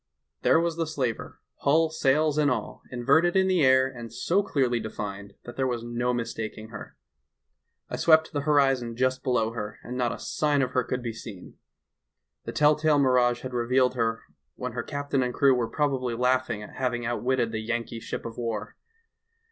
"There was the slaver, hull, sails and all, inverted in the air, and so clearly defined that there was no mistaking her. I swept the horizon just below her and not a sign of her could be seen. The tell tale mirage had revealed her when her captain and crew were probably laughing at hav ing outwitted the Yankee ship of war.